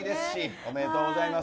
おめでとうございます。